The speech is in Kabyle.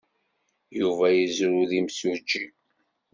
Yuba yezrew d imsujji.